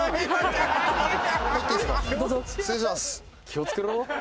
気を付けろ。